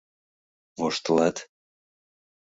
Воштылат?